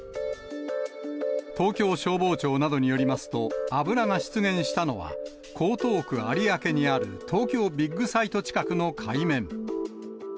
東京消防庁などによりますと、油が出現したのは、江東区有明にある東京ビッグサイト近くの海面。